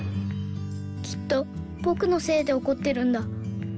きっとぼくのせいでおこってるんだ。